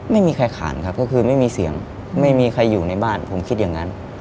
ไม่มีใครขานครับก็คือไม่มีเสียงไม่มีใครอยู่ในบ้านผมคิดอย่างนั้น